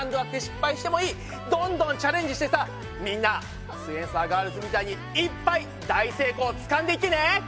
どんどんチャレンジしてさみんなすイエんサーガールズみたいにいっぱい大成功つかんでいってね！